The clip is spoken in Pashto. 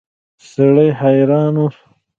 سړی حیران و.